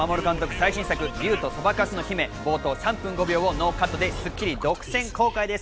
最新作『竜とそばかすの姫』、冒頭３分５秒をノーカットで『スッキリ』独占公開です。